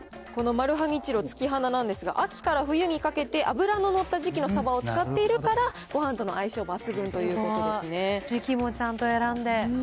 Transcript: このマルハニチロ、月花なんですが、秋から冬にかけて脂の乗った時期のサバを使っているから、ごはんとの相性抜群ということ時期もちゃんと選んで。